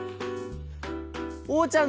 おうちゃん